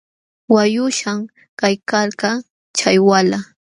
Waqlluśhqam kaykalkaa chay walah.